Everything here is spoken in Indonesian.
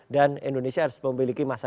dan indonesia harus memiliki masa